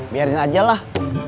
biarin aja lah